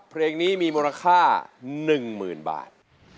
เพลงนี้มีมูลค่า๑หมื่นบาท